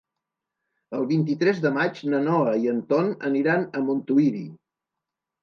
El vint-i-tres de maig na Noa i en Ton aniran a Montuïri.